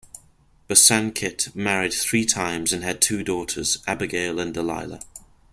Bosanquet married three times and had two daughters, Abigail and Delilah.